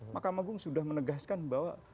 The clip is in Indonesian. mahkamah agung sudah menegaskan bahwa